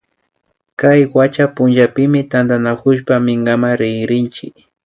Kay wacha punchapimi tantanakushpa minkaman rikrinchi